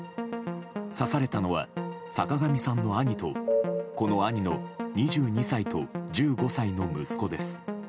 刺されたのは坂上さんの兄とこの兄の２２歳と１５歳の息子です。